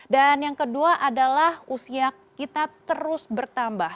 dan yang kedua adalah usia kita terus bertambah